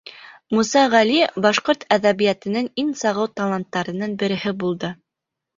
Муса Ғәли башҡорт әҙәбиәтенең иң сағыу таланттарының береһе булды.